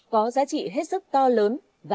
có giá trị hết sức to lớn